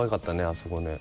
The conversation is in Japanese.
あそこね。